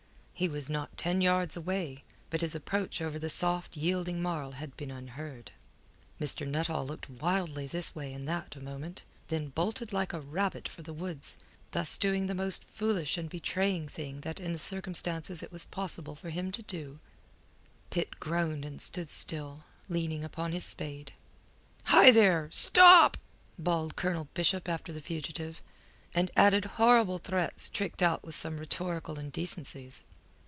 He was not ten yards away, but his approach over the soft, yielding marl had been unheard. Mr. Nuttall looked wildly this way and that a moment, then bolted like a rabbit for the woods, thus doing the most foolish and betraying thing that in the circumstances it was possible for him to do. Pitt groaned and stood still, leaning upon his spade. "Hi, there! Stop!" bawled Colonel Bishop after the fugitive, and added horrible threats tricked out with some rhetorical indecencies.